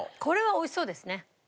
これは美味しそうですね。